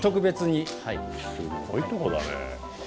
すごいとこだね。